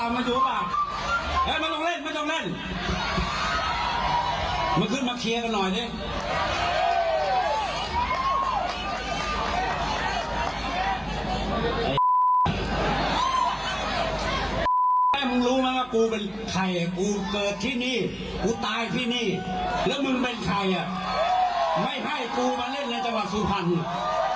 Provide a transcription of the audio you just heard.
มึงรู้ไหมว่ากูเป็นใครกูเกิดที่นี่กูตายที่นี่แล้วมึงเป็นใครอ่ะไม่ใช่กูมาเล่นในจังหวัดสุพรรณ